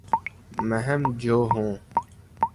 مہم جو ہوں